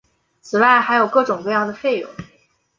此外还有各种各样的费用。